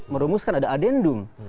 merumuskan ada adendum